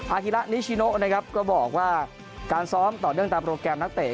ฮิระนิชิโนนะครับก็บอกว่าการซ้อมต่อเนื่องตามโปรแกรมนักเตะ